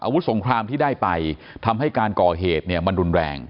อาวุธสงครามที่ได้ไปทำให้การก่อเหตุเนี่ยมันรุนแรง